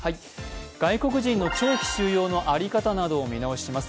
外国人の長期収容の在り方などを見直します